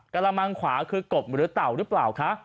กระมังขวาคือกบหรือเต่าหรือเปล่าคะ